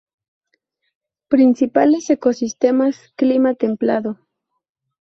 Principales Ecosistemas: clima templado.